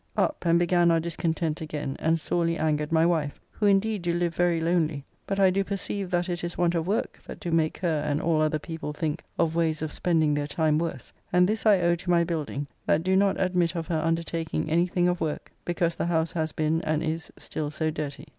Up and began our discontent again and sorely angered my wife, who indeed do live very lonely, but I do perceive that it is want of work that do make her and all other people think of ways of spending their time worse, and this I owe to my building, that do not admit of her undertaking any thing of work, because the house has been and is still so dirty.